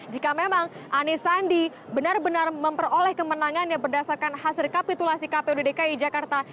jika memang anies sandi benar benar memperoleh kemenangannya berdasarkan hasil kapitulasi kpu dki jakarta